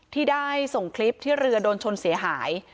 ที่ได้ส่งคลิปที่เรือโดนชนเสียหาย